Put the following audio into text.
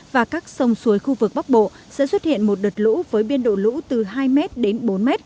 và các sông suối khu vực bắc bộ sẽ xuất hiện một đợt lũ với biên độ lũ từ hai m đến bốn m